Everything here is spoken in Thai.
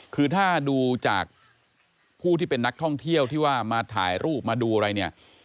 คือถ้าดูจากผู้ที่เป็นนักท่องเที่ยวที่ว่ามาถ่ายรูปมาดูอะไรเนี่ย